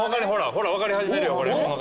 ほら分かり始めるよ。